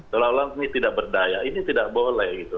seolah olah ini tidak berdaya ini tidak boleh gitu